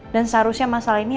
dan seharusnya masalah ini